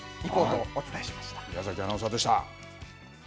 宮崎アナウンサーでした。